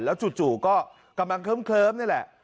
จู่ก็กำลังเคลิ้มนี่แหละ